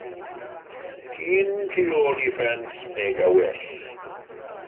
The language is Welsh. Dyn y tu ôl i ffens neu gawell.